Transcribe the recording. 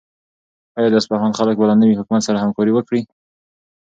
آیا د اصفهان خلک به له نوي حکومت سره همکاري وکړي؟